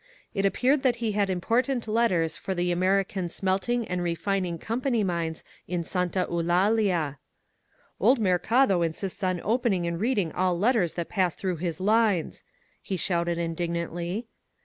It appeared that he had important letters for the American Smelting and Refining Com pany mines in Santa Eulalia. ^^Old Mercado insists on opening and reading all letters that pass through his lines," he shouted indig nantly.